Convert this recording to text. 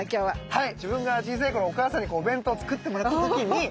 はい。